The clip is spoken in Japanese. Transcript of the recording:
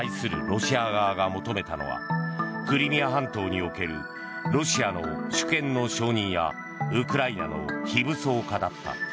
ロシア側が求めたのはクリミア半島におけるロシアの主権の承認やウクライナの非武装化だった。